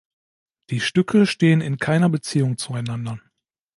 Die Stücke stehen in keiner Beziehung zueinander.